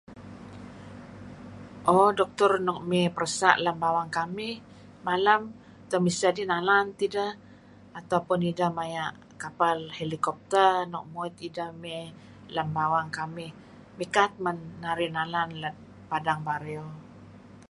Ooh Doktor nuk mey peresa' lem bawang kamih malem temiseh dihh nalan tideh, atau pun ideh maya' helikopter nuk muit ideh mey lem bawang kamih. Mikat men narih nalan let padang Bario.